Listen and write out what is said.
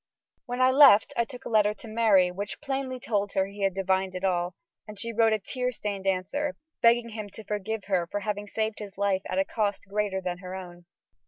When I left I took a letter to Mary, which plainly told her he had divined it all, and she wrote a tear stained answer, begging him to forgive her for having saved his life at a cost greater than her own.